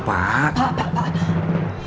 pak pak pak